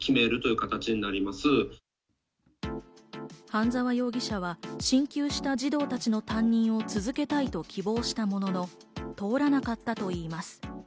半沢容疑者は進級した児童たちの担任を続けたいと希望したものの、通らなかったといいます。